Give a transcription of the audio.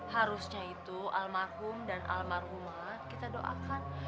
harusnya itu almarhum dan almarhumah kita doakan